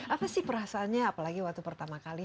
apa sih perasaannya apalagi waktu pertama kali